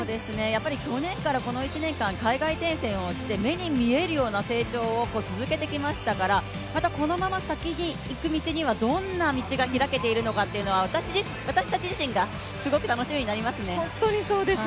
去年からこの１年間、海外転戦をして、目に見えるような成長を続けてきましたからこのまま先に行く道にはどんな道が開けているのかというのは私たち自身がすごく楽しみになりますね。